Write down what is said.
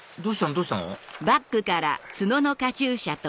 どうしたの？